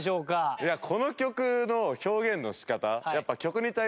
この曲の表現の仕方。